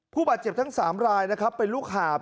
ผู้บาดเจ็บทั้ง๓รายเป็นลูกหาบ